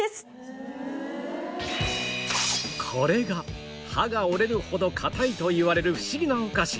これが歯が折れるほど硬いといわれる不思議なお菓子